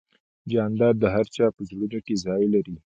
جانداد د هر چا په زړونو کې ځای لري.